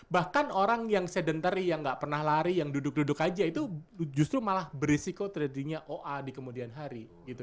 bahkan orang yang sedentary yang gak pernah lari yang duduk duduk aja itu justru malah berisiko terjadinya oa di kemudian hari